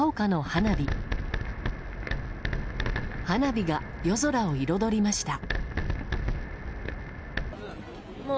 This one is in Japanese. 花火が夜空を彩りました。